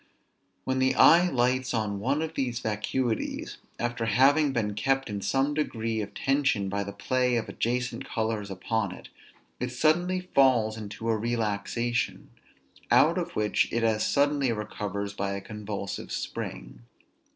When the eye lights on one of these vacuities, after having been kept in some degree of tension by the play of the adjacent colors upon it, it suddenly falls into a relaxation; out of which it as suddenly recovers by a convulsive spring.